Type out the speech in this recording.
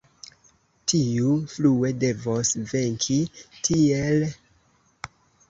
Tiu frue devos venki, kiel ajn longe la mondo batalus kontraŭ ĝi.